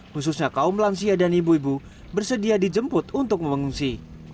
khususnya kaum lansia dan ibu ibu bersedia dijemput untuk mengungsi